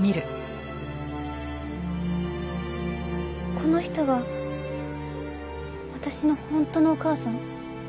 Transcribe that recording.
この人が私の本当のお母さん？